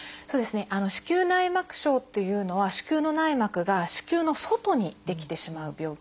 子宮内膜症っていうのは子宮の内膜が子宮の外に出来てしまう病気ですね。